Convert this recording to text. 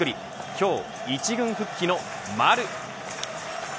今日１軍復帰の丸。